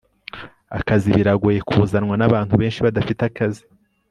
Akazi biragoye kuzanwa nabantu benshi badafite akazi